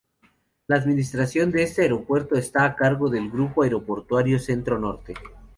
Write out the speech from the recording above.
La administración de este aeropuerto está a cargo del Grupo Aeroportuario Centro Norte.